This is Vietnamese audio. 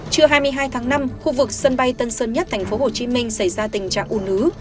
trưa hai mươi hai tháng năm khu vực sân bay tân sơn nhất tp hcm xảy ra tình trạng ủ nứ